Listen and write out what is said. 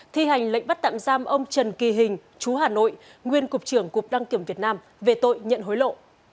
thi hành lệnh bắt tạm giam ông trần kỳ hình chú hà nội nguyên cục trưởng cục đăng kiểm việt nam về tội nhận hối lộ